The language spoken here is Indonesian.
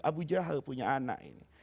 abu jahal punya anak ini